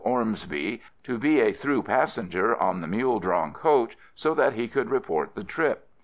Ormsby, to be a through passenger on the mule drawn coach so that he could report the trip.